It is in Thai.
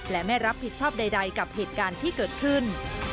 และไม่รับผิดชอบใดกับเหตุการณ์ที่เกิดขึ้น